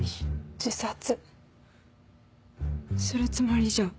自殺するつもりじゃ？